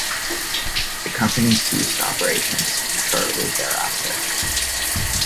The company ceased operations shortly thereafter.